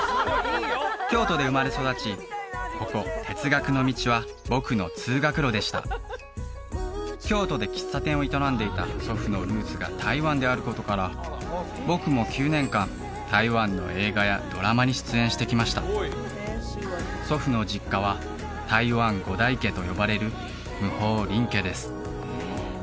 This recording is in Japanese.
京都で生まれ育ちここ哲学の道は僕の通学路でした京都で喫茶店を営んでいた祖父のルーツが台湾であることから僕も９年間台湾の映画やドラマに出演してきました祖父の実家は台湾五大家と呼ばれる霧峰林家です